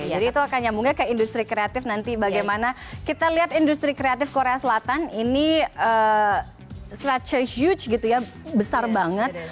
itu akan nyambungnya ke industri kreatif nanti bagaimana kita lihat industri kreatif korea selatan ini structures youtube gitu ya besar banget